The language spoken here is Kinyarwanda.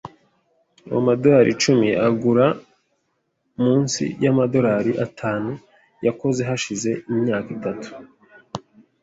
Ubu amadorari icumi agura munsi yamadorari atanu yakoze hashize imyaka itatu.